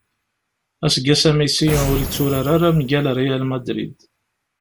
Aseggas-a Messi ur yetturar ara mgal Real Madrid.